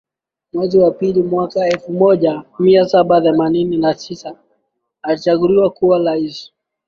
mwezi wa pili mwaka elfu moja mia saba themanini na tisa alichaguliwa kuwa rais